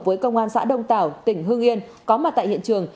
với công an xã đông tảo tỉnh hương yên có mặt tại hiện trường